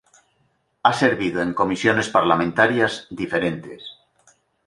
Ha servido en comisiones parlamentarias diferentes.